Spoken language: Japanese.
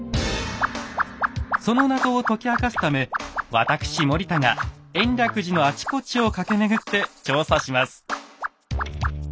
その謎を解き明かすため私森田が延暦寺のあちこちを駆け巡って調査します。